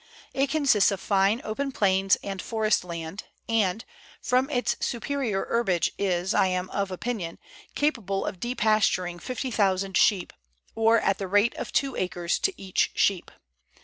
It consists of fine, open plains and forest land, and, from its superior herbage, is, I am of opinion, capable of depasturing 50,000 sheep, or at the rate of two acres to each sheep.